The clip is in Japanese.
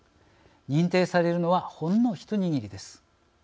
認定されるのはほんの一握りです。